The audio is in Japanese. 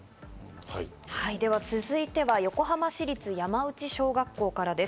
続いては横浜市立山内小学校からです。